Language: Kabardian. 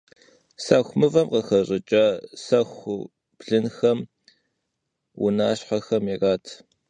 Sexu mıvem khıxaş'ıç'a sexur blınxem, vunaşhexem yirat.